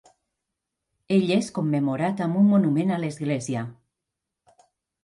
Ell és commemorat amb un monument a l'església.